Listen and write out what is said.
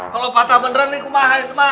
kalau patah beneran nih kumah